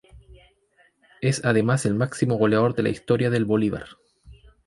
Es además el máximo goleador de la historia del Bolívar.